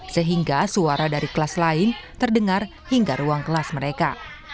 sehingga suara dari kelas lain terdengar hingga ruang kelas mereka